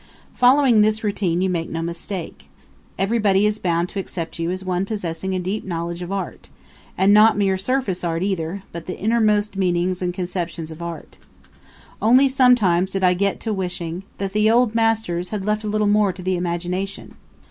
Following this routine you make no mistakes. Everybody is bound to accept you as one possessing a deep knowledge of art, and not mere surface art either, but the innermost meanings and conceptions of art. Only sometimes I did get to wishing that the Old Masters had left a little more to the imagination.